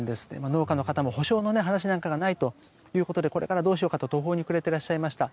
農家の方も補償の話がないということでこれからどうしようかと途方に暮れていらっしゃいました。